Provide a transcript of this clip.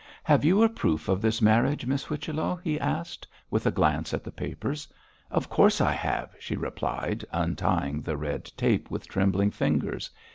'Have you a proof of this marriage, Miss Whichello?' he asked, with a glance at the papers. 'Of course I have,' she replied, untying the red tape with trembling fingers.